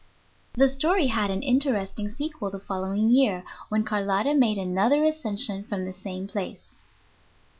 The story had an interesting sequel the following year, when Carlotta made another ascension from the same place.